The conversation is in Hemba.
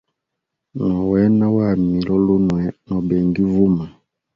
Nowena wami lulunwe, no benga ivuma.